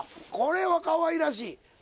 これはかわいらしい。